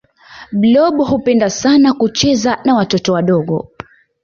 blob hupenda sana kucheza na watoto wadogo